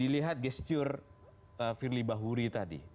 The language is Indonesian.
dilihat gesture firly bahuri tadi